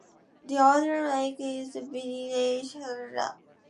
The other lake is the Binnenalster.